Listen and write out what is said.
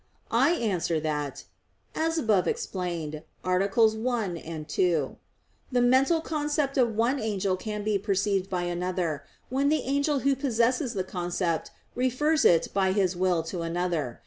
I answer that, As above explained (AA. 1, 2), the mental concept of one angel can be perceived by another when the angel who possesses the concept refers it by his will to another.